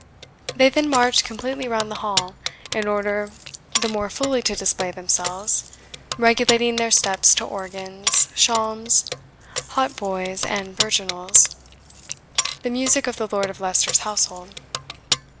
They then marched completely round the hall, in order the more fully to display themselves, regulating their steps to organs, shalms, hautboys, and virginals, the music of the Lord Leicester's household.